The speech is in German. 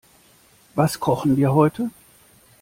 Was kochen wir heute?